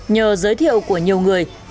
nhờ giới thiệu của nhiều người